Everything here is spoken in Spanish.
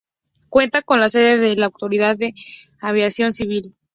Cuenta con la sede de la Autoridad de Aviación Civil.